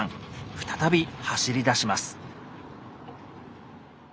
再び走りだします。